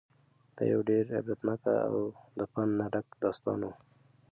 دا یو ډېر عبرتناک او د پند نه ډک داستان و.